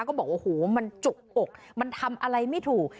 ก็บอกว่าโอ้โหมันจุกอกมันทำอะไรไม่ถูก